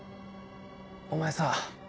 お前さ